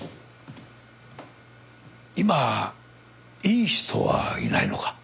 今いい人はいないのか？